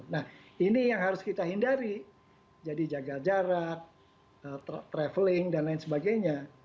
nah ini yang harus kita hindari jadi jaga jarak traveling dan lain sebagainya